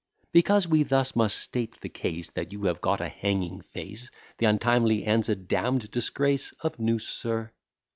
Because we thus must state the case, That you have got a hanging face, Th' untimely end's a damn'd disgrace of noose, sir.